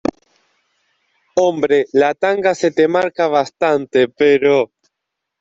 hombre, la tanga se te marca bastante , pero...